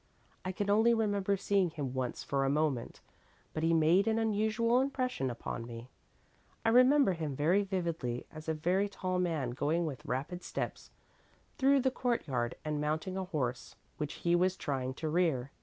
I can only remember seeing him once for a moment, but he made an unusual impression upon me. I remember him very vividly as a very tall man going with rapid steps through the courtyard and mounting a horse, which was trying to rear.